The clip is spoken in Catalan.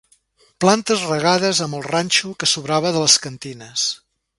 Plantes regades amb el ranxo que sobrava de les cantines